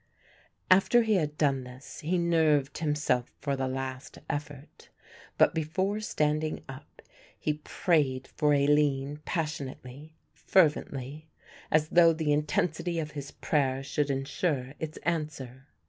After he had done this, he nerved himself for the last effort, but before standing up, he prayed for Aline passionately, fervently, as though the intensity of his prayer should insure its answer.